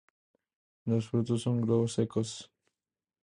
Los frutos son globosos, secos.